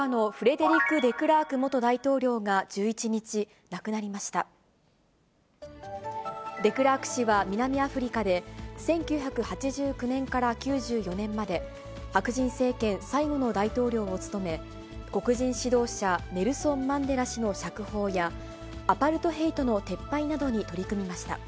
デクラーク氏は、南アフリカで、１９８９年から９４年まで、白人政権最後の大統領を務め、黒人指導者、ネルソン・マンデラ氏の釈放や、アパルトヘイトの撤廃などに取り組みました。